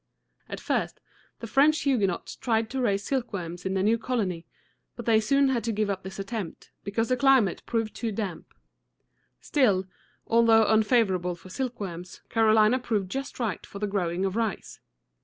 At first, the French Huguenots tried to raise silkworms in their new colony; but they soon had to give up this attempt, because the climate proved too damp. Still, although unfavorable for silkworms, Carolina proved just right for the growing of rice.